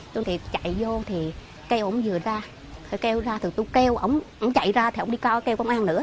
tôi thì chạy vô thì kêu ổng vừa ra kêu ra thì tôi kêu ổng ổng chạy ra thì ổng đi cao kêu công an nữa